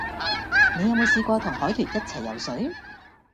你有冇試過同海豚一齊游水